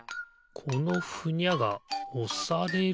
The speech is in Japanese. このふにゃがおされる？